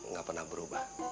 gak pernah berubah